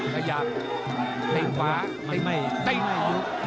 ขยับเต้นขวาเต้นขวา